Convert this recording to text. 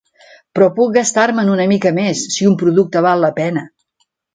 Però puc gastar-me'n una mica més, si un producte val la pena.